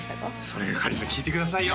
それがかりんさん聞いてくださいよ